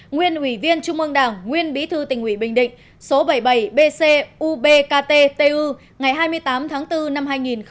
nguyên ủy viên trung ương đảng nguyên bí thư tỉnh ủy bình định số bảy mươi bảy bcubktu ngày hai mươi tám tháng bốn năm hai nghìn một mươi